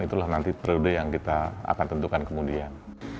itulah nanti periode yang kita akan tentukan kemudian